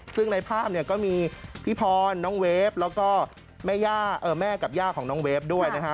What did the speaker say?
ซึ่งในภาพเนี่ยก็มีพี่พรน้องเวฟแล้วก็แม่กับย่าของน้องเวฟด้วยนะฮะ